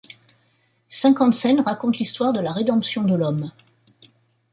Cinquante scènes racontent l'histoire de la rédemption de l'homme.